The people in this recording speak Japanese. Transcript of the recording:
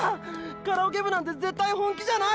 カラオケ部なんて絶対本気じゃない！！